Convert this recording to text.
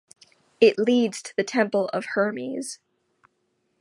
It leads to the temple of Hermes.